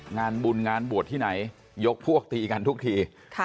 งานบุญงานบวชที่ไหนยกพวกตีกันทุกที